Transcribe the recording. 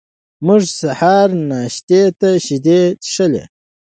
موږ سهار ناشتې ته شیدې څښلې.